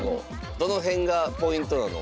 どの辺がポイントなの？